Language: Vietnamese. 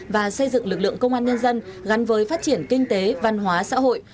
và xây dựng lực lượng công an nhân dân gắn với phát triển kinh tế văn hóa xã hội